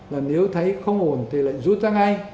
là nếu thấy không ổn thì lại rút ra ngay